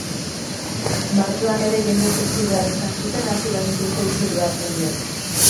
Martxoan ere jendez hustu behar izan zuten azido nitriko isuri bat medio.